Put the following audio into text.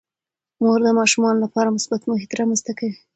مور د ماشومانو لپاره مثبت محیط رامنځته کوي.